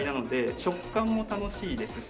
食感も楽しいですし。